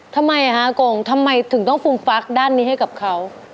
ทำไมฮะโกงทำไมถึงต้องฟูมฟักด้านนี้ให้กับเขา